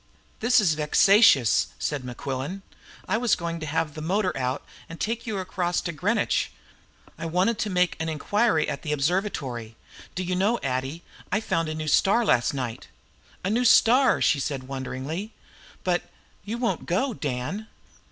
"This is vexatious," said Mequillen. "I was going to have the motor out and take you across to Greenwich. I wanted to make an inquiry at the Observatory. Do you know, Addie, I found a new star last night!" "A new star!" she said wonderingly. "But you won't go, Dan?"